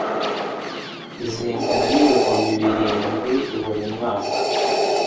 zingana ni bihumbi birindwi buri mwaka,